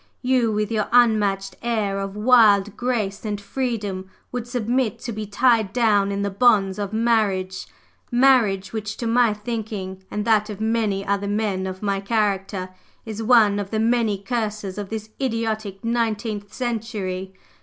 You, with your unmatched air of wild grace and freedom, would submit to be tied down in the bonds of marriage, marriage, which to my thinking and that of many other men of my character, is one of the many curses of this idiotic nineteenth century!